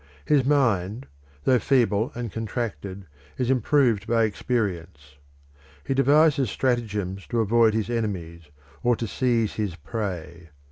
His mind, though feeble and contracted, is improved by experience. He devises stratagems to avoid his enemies, or to seize his prey.